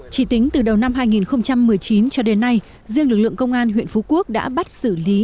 chỉ tính từ đầu năm hai nghìn một mươi chín cho đến nay riêng lực lượng công an huyện phú quốc đã bắt xử lý